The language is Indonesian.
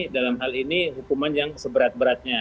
dalam hal ini hukuman yang seberat beratnya